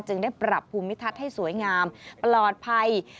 ได้ปรับภูมิทัศน์ให้สวยงามปลอดภัย